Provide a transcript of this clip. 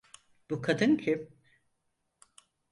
Bu kadın kim?